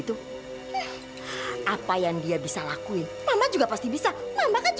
tante di rusia sana itu